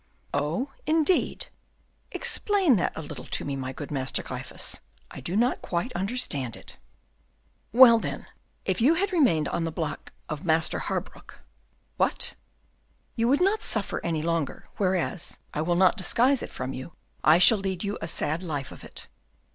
"Oh, indeed! explain that a little to me, my good Master Gryphus. I do not quite understand it." "Well, then, if you had remained on the block of Master Harbruck " "What?" "You would not suffer any longer; whereas, I will not disguise it from you, I shall lead you a sad life of it."